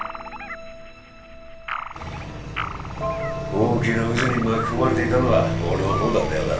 大きな渦に巻き込まれていたのは俺のほうだったようだ